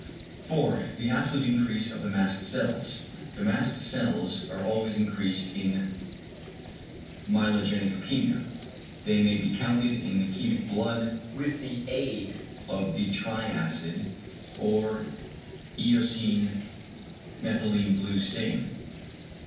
4. =The absolute increase of the mast cells.= The mast cells are always increased in myelogenic leukæmia. They may be counted in leukæmic blood with the aid of the triacid or eosine methylene blue stain.